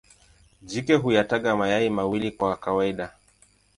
Jike huyataga mayai mawili kwa kawaida.